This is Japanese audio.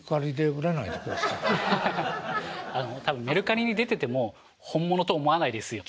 多分メルカリに出てても本物と思わないですよ。